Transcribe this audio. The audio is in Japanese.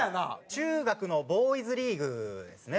中学のボーイズリーグですね。